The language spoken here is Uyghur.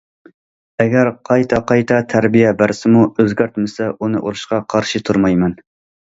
ئەگەر قايتا- قايتا تەربىيە بەرسىمۇ ئۆزگەرتمىسە، ئۇنى ئۇرۇشقا قارشى تۇرمايمەن.